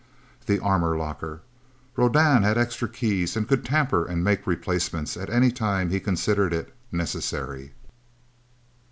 The armor locker! Rodan had extra keys, and could tamper and make replacements, any time he considered it necessary.